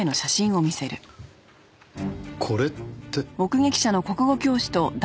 これって。